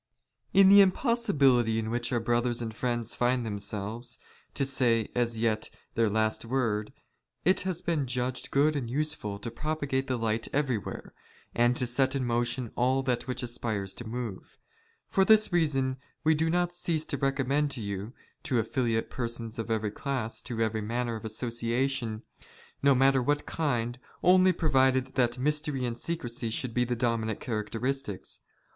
'^ In the impossibility in which our brothers and friends ''find themselves, to say, as yet, their last word, it has been "judged good and useful to propagate the light everywhere, and " to set in motion all that which aspires to move. For this " reason we do not cease to recommend to you, to affiliate "persons of every class to every manner of association, no " matter of what kind, only provided that mystery and secrecy " shoidd he the dominant characteristics.